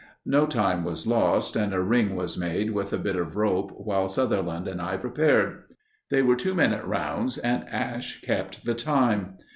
No time was lost, and a ring was made with a bit of rope while Sutherland and I prepared. They were two minute rounds, and Ash kept the time.